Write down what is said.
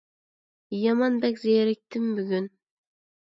يامان بەك زېرىكتىم بۈگۈن!